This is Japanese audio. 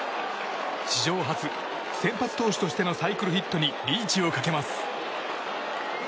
史上初、先発投手としてのサイクルヒットにリーチをかけます。